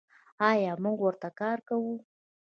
آیا موږ ورته کار کوو؟